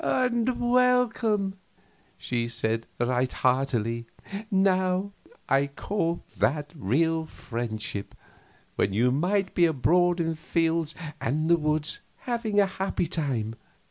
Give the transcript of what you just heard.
"And welcome!" she said, right heartily. "Now I call that real friendship, when you might be abroad in the fields and the woods, having a happy time.